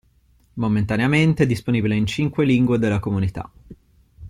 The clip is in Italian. Momentaneamente disponibile in cinque lingue della comunità.